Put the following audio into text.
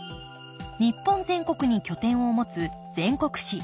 日本全国に拠点を持つ全国紙。